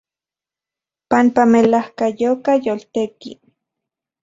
Panpa melajkayopa yoltetik.